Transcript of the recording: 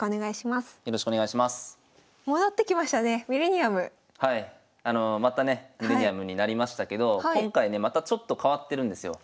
またねミレニアムになりましたけど今回ねまたちょっと変わってるんですよ。